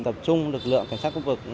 tập trung lực lượng cảnh sát khu vực